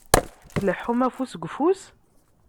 Tleḥḥum afus deg ufus?